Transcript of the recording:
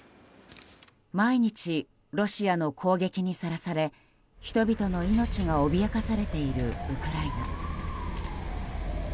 毎日ロシアの攻撃にさらされ人々の命が脅かされているウクライナ。